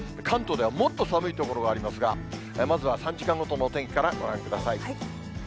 関東ではもっと寒い所がありますが、まずは３時間ごとのお天気からご覧ください。